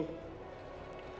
jadi di ruang provos itu ya